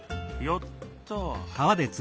よっと！